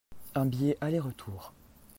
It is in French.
Un billet aller-retour.